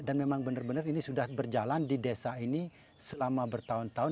dan memang benar benar ini sudah berjalan di desa ini selama bertahun tahun